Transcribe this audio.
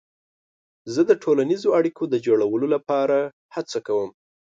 زه د ټولنیزو اړیکو د جوړولو لپاره هڅه کوم.